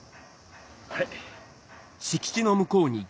はい。